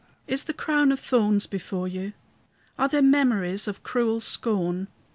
Is the crown of thorns before you? Are there memories of cruel scorn?